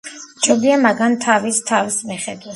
ჯობია მაგან თავის თავს მიხედოს!